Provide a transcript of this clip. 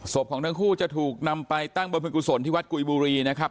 ของทั้งคู่จะถูกนำไปตั้งบรรพิกุศลที่วัดกุยบุรีนะครับ